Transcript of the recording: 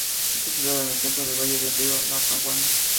Está situada en el centro del valle del río Lackawanna.